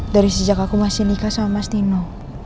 dari sejak aku masih nikah sama mas dino